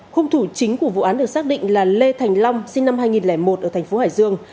hung thủ chính của vụ án được xác định là lê thành long sinh năm hai nghìn một ở tp hải dương